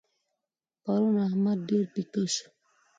پرون احمد ډېر پيکه شو.